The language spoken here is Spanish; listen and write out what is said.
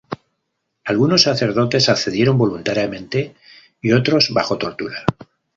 Algunos sacerdotes accedieron voluntariamente y otros, bajo tortura.